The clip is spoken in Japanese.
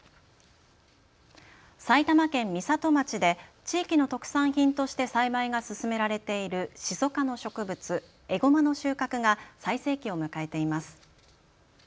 埼玉県美里町で地域の特産品として栽培が進められているシソ科の植物、エゴマの収穫が最盛期を迎えています。